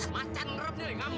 masak ngerap nih kamu